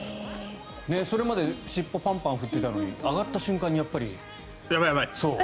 それまで尻尾をパンパン振っていたのに上がった瞬間にやばい、やばい。